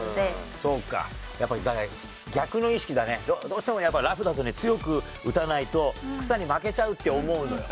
やっぱりだから、逆の意識だね、どうしてもやっぱり、ラフだと強く打たないと草に負けちゃうって思うのよ。